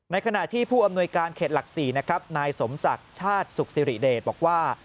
ขณะที่ผู้อำนวยการเขตหลัก๔นะครับนายสมศักดิ์ชาติสุขสิริเดชบอกว่า